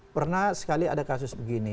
pernah sekali ada kasus begini